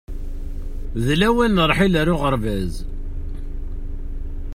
D lawan n ṛṛḥil ar uɣerbaz.